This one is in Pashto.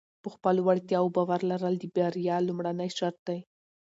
په خپلو وړتیاو باور لرل د بریا لومړنی شرط دی.